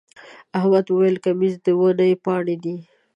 احمد وويل: کمیس د ونې پاڼې دی.